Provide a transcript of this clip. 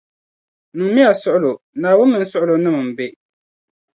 Niŋ miya suɣulo. Naawuni mini suɣulonim’ m-be.